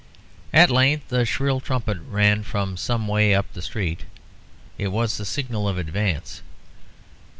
At length a shrill trumpet rang from some way up the street; it was the signal of advance.